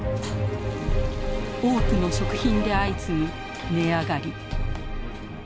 多くの食品で相次ぐ値上がり。